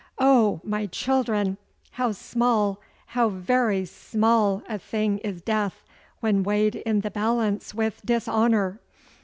Oh, my children, how small, how very small a thing is death when weighed in the balance with dishonour!